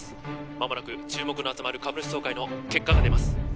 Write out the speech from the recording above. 間もなく注目の集まる株主総会の結果が出ます